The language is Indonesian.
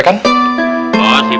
gua balik dulu malam